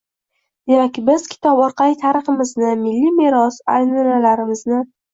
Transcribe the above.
Demak, biz kitob orqali tariximizni, milliy merosu an’analarimizni